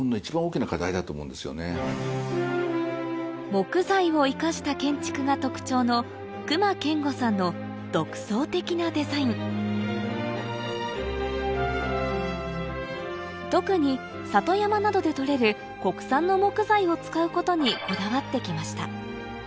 木材を生かした建築が特徴の隈研吾さんの独創的なデザイン特に里山などで取れる国産の木材を使うことにこだわってきました